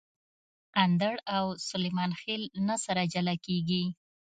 اندړ او سلیمان خېل نه سره جلاکیږي